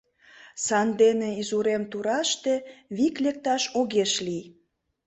Сандене изурем тураште вик лекташ огеш лий.